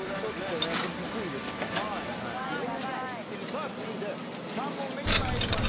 さぁ続いて３問目にまいりましょう。